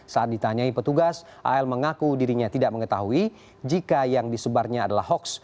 saat ditanyai petugas al mengaku dirinya tidak mengetahui jika yang disebarnya adalah hoax